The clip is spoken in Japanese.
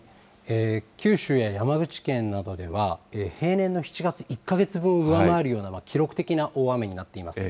九州や山口県などでは、平年の７月１か月分を上回るような記録的な大雨になっています。